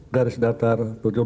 garis datar tujuh belas